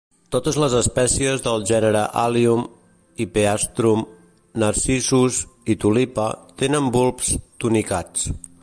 Totes les espècies del gènere "Allium", "Hippeastrum", "Narcissus" i "Tulipa" tenen bulbs tunicats.